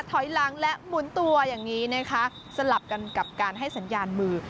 ถอยหลังและหมุนตัวอย่างนี้นะคะสลับกันกับการให้สัญญาณมือ